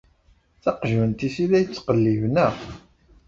D taqjunt-is i la yettqellib, naɣ?